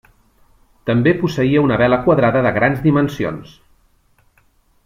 També posseïa una vela quadrada de grans dimensions.